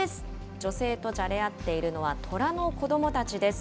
女性とじゃれ合っているのはトラの子どもたちです。